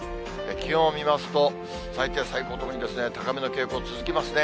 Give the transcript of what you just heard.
気温を見ますと、最低、最高ともに高めの傾向続きますね。